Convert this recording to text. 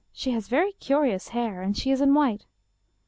She has very curious hair and she is in white."